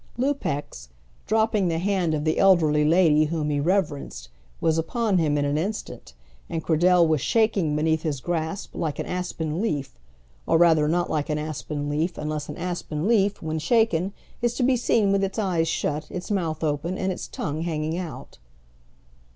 Lupex, dropping the hand of the elderly lady whom he reverenced, was upon him in an instant, and Cradell was shaking beneath his grasp like an aspen leaf, or rather not like an aspen leaf, unless an aspen leaf when shaken is to be seen with its eyes shut, its mouth open, and its tongue hanging out.